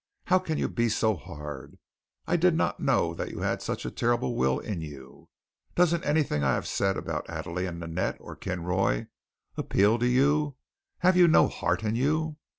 How can you be so hard? I did not know that you had such a terrible will in you. Doesn't anything I have said about Adele and Ninette or Kinroy appeal to you? Have you no heart in you?